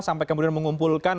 sampai kemudian mengumpulkan